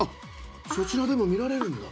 そちらでも見られるんだ？